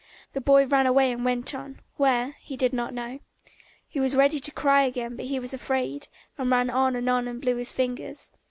The boy ran away and went on, where he did not know. He was ready to cry again but he was afraid, and ran on and on and blew his fingers.